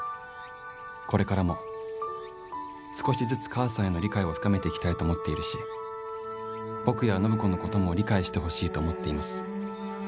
これからも少しずつ母さんへの理解を深めていきたいと思っているし僕や暢子のことも理解してほしいと思っています。